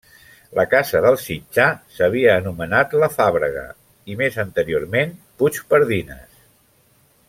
La casa del Sitjar s'havia anomenat La Fàbrega i, més anteriorment, Puigpardines.